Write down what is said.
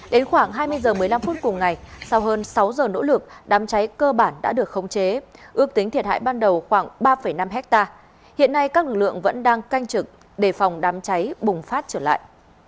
đến khoảng hai mươi h một mươi năm phút cùng ngày sau hơn sáu giờ nỗ lực đám cháy cơ bản đã được khống chế ước tính thiệt hại ban đầu khoảng ba năm hectare hiện nay các lực lượng vẫn đang canh trực đề phòng đám cháy bùng phát trở lại